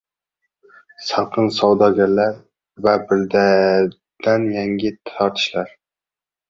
sobiq savdogarlar va birdan yengil tortishdi.